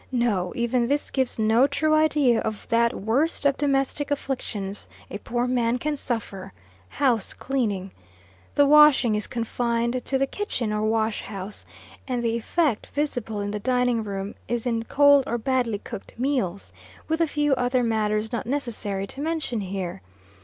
No, even this gives no true idea of that worst of domestic afflictions a poor man can suffer house cleaning. The washing is confined to the kitchen or wash house, and the effect visible in the dining room is in cold or badly cooked meals; with a few other matters not necessary to mention here.